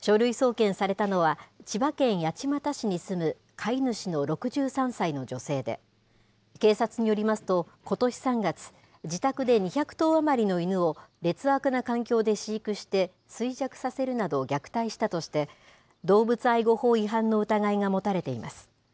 書類送検されたのは、千葉県八街市に住む飼い主の６３歳の女性で、警察によりますと、ことし３月、自宅で２００頭余りの犬を劣悪な環境で飼育して衰弱させるなど虐待したとして、動物愛護法違反の疑いが持たれています。